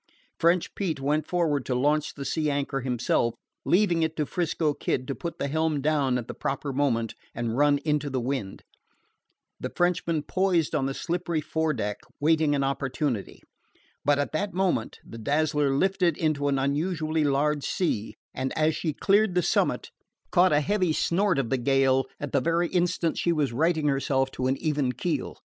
French Pete went forward to launch the sea anchor himself, leaving it to 'Frisco Kid to put the helm down at the proper moment and run into the wind. The Frenchman poised on the slippery fore deck, waiting an opportunity. But at that moment the Dazzler lifted into an unusually large sea, and, as she cleared the summit, caught a heavy snort of the gale at the very instant she was righting herself to an even keel.